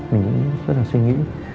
mình cũng rất là suy nghĩ